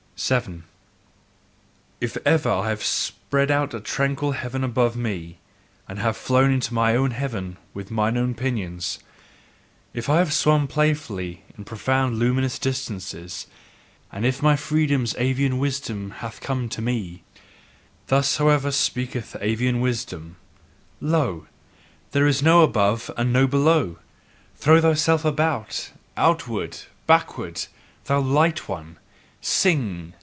7. If ever I have spread out a tranquil heaven above me, and have flown into mine own heaven with mine own pinions: If I have swum playfully in profound luminous distances, and if my freedom's avian wisdom hath come to me: Thus however speaketh avian wisdom: "Lo, there is no above and no below! Throw thyself about, outward, backward, thou light one! Sing!